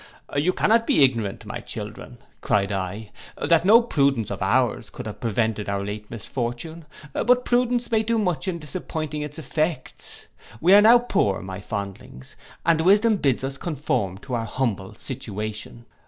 'You cannot be ignorant, my children,' cried I, 'that no prudence of ours could have prevented our late misfortune; but prudence may do much in disappointing its effects. We are now poor, my fondlings, and wisdom bids us conform to our humble situation.